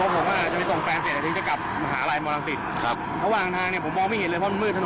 น่าจะมีคนป่าเจ็บหนักไม่หนักก็ตายเลยแหละ